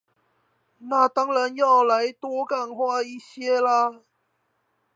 那當然要來多幹話一些啦